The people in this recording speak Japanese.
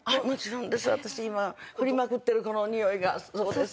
私ふりまくってるこのにおいがそうです。